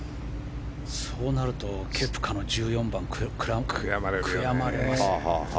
そうなるとケプカの１４番悔やまれますね。